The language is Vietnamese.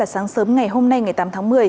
sáng sớm ngày hôm nay ngày tám tháng một mươi